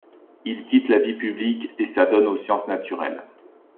Il quitte la vie publique et s’adonne aux sciences naturelles.